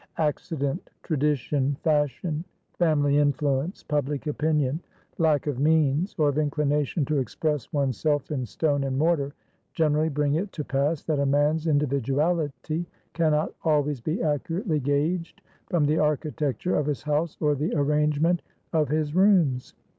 Accident, tradition, fashion, family influence, public opinion, lack of means, or of inclination to express one's self in stone and mortar generally bring it to pass that a man's individuality cannot always be accurately gauged from the architecture of his house or the ar rangement of his rooms.